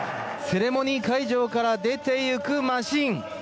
セレモニー会場から出ていくマシン。